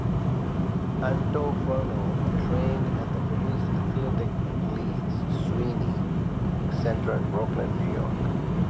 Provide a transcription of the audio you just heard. Antuofermo trained at the Police Athletic Leagues Sweeney Center in Brooklyn, New York.